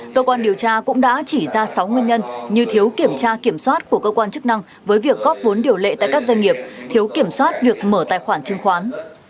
cơ quan điều tra cũng đã chỉ ra sáu nguyên nhân như thiếu kiểm tra kiểm soát của cơ quan chức năng với việc góp vốn điều lệ tại các doanh nghiệp thiếu kiểm soát việc mở tài khoản chứng khoán